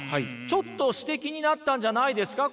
ちょっと詩的になったんじゃないですか？